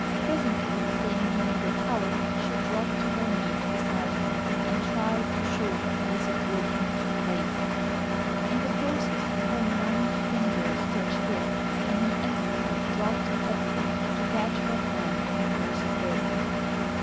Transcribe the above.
Presently seeing he needed help she dropped to her knees beside him and tried to shove a piece of wood into place. In the process her numbed fingers touched his, and he instantly dropped everything to catch her hand in both of his.